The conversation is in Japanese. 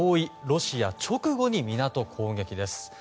ロシア、直後に港攻撃です。